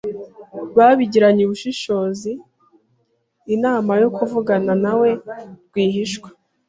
Babigiranye ubushishozi inama yo kuvugana nawe rwihishwa